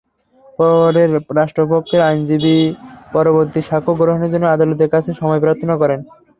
পরে রাষ্ট্রপক্ষের আইনজীবী পরবর্তী সাক্ষ্য গ্রহণের জন্য আদালতের কাছে সময় প্রার্থনা করেন।